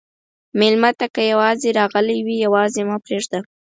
مېلمه ته که یواځې راغلی وي، یواځې مه پرېږده.